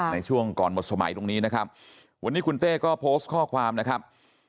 ในช่วงก่อนหมดสมัยตรงนี้นะครับวันนี้คุณเต้ก็โพสต์ข้อความนะครับ